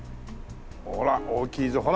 ほら大きいぞほら！